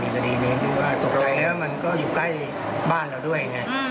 มีคดีมีคดีว่าถูกไหลแล้วมันก็อยู่ใกล้บ้านเราด้วย